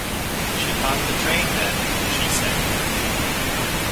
“She caught the train then?” she said.